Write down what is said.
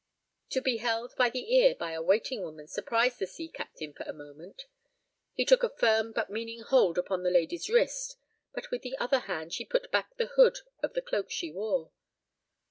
To be held by the ear by a waiting woman surprised the sea captain for the moment. He took a firm but meaning hold upon the lady's wrist. But with the other hand she put back the hood of the cloak she wore.